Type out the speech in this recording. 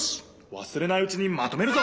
わすれないうちにまとめるぞ！